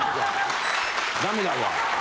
ダメだわ。